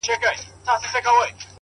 اوس به ورته ډېر !ډېر انـتـظـار كوم!